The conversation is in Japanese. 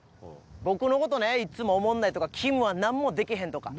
僕の事ねいっつもおもんないとかきむはなんもできへんとか。